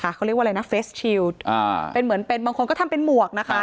เขาเรียกว่าอะไรนะเฟสชิลอ่าเป็นเหมือนเป็นบางคนก็ทำเป็นหมวกนะคะ